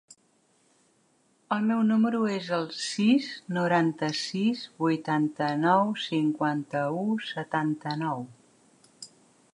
El meu número es el sis, noranta-sis, vuitanta-nou, cinquanta-u, setanta-nou.